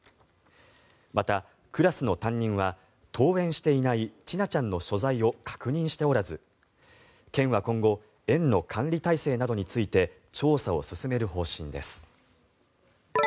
また、クラスの担任は登園していない千奈ちゃんの所在を確認しておらず県は今後、園の管理体制などについて調査を進める方針です。